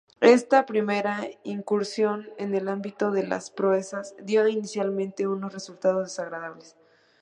Esta primera incursión en el ámbito de las "proezas" dio inicialmente unos resultados desagradables.